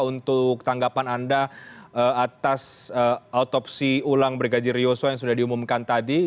untuk tanggapan anda atas autopsi ulang brigadir yosua yang sudah diumumkan tadi